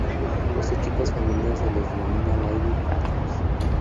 A los equipos femeninos se les denomina "Lady Panthers".